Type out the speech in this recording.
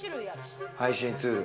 配信ツール。